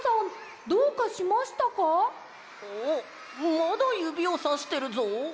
まだゆびをさしてるぞ！